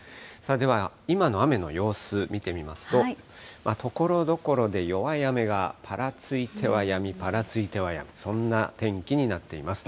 では今の雨の様子、見てみますと、ところどころで弱い雨がぱらついてはやみ、ぱらついてはやみ、そんな天気になっています。